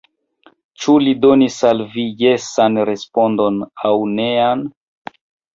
Ĉu li donis al vi jesan respondon aŭ nean?